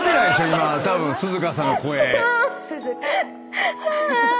今たぶんすずかさんの声。